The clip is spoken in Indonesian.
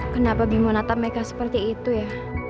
kenapa bimo ngatap meka seperti itu ya